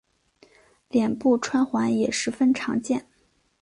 脸部穿环也十分常见。